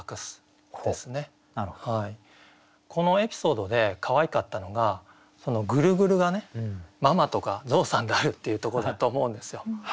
このエピソードでかわいかったのがぐるぐるが「ママ」とか「ゾウさん」であるっていうとこだと思うんですよ。